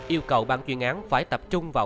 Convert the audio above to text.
yêu cầu bàn chuyên án phải tập trung vào